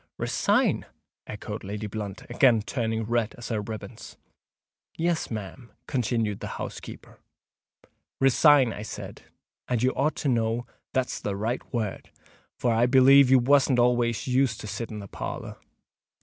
"Resign!" echoed Lady Blunt, again turning red as her ribands. "Yes, ma'am," continued the housekeeper; "resign I said; and you ought to know that's the right word—for I b'lieve you wasn't always used to sit in the parlour."